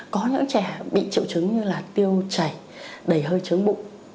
có những trẻ bị triệu chứng như là tiêu chảy đầy hơi chướng bụng